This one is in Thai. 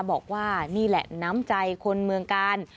บอกว่านี่แหละน้ำใจคนเมืองกาล